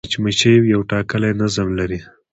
مچمچۍ یو ټاکلی نظم لري